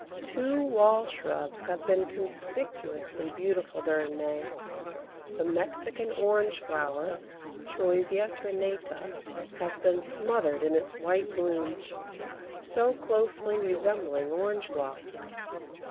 Two wall shrubs have been conspicuously beautiful during May; the Mexican Orange flower (Choisya ternata) has been smothered in its white bloom, so closely resembling orange blossom.